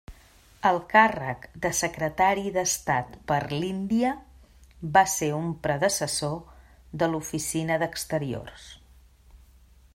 El càrrec de Secretari d'Estat per l'Índia va ser un predecessor de l'Oficina d'Exteriors.